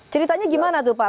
ceritanya gimana tuh pak